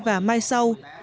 và mai sau